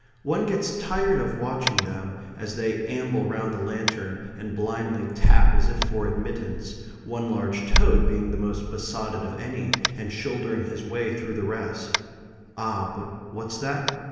One gets tired of watching them, as they amble round the lantern and blindly tap as if for admittance, one large toad being the most besotted of any and shouldering his way through the rest. Ah, but what's that?